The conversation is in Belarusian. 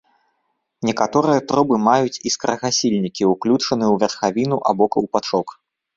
Некаторыя трубы маюць іскрагасільнікі, ўключаныя ў верхавіну або каўпачок.